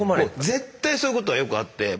絶対そういうことはよくあって。